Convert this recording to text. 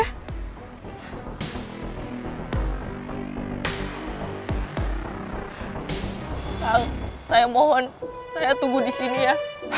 kang saya mohon saya tunggu di sini ya